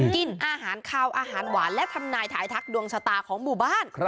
กินอาหารคาวอาหารหวานและทำนายถ่ายทักดวงชะตาของหมู่บ้าน